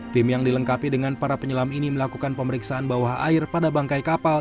tim yang dilengkapi dengan para penyelam ini melakukan pemeriksaan bawah air pada bangkai kapal